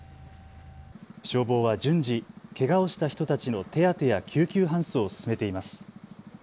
消防は順次、けがをした人たちの手当てや救急搬送を進めています。